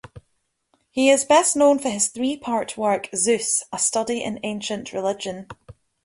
He is best known for his three-part work "Zeus: A Study in Ancient Religion".